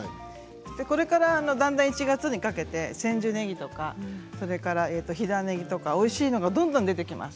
これから、だんだん１月にかけて千住ねぎそれから、飛弾ねぎとかおいしいのがどんどん出てきます。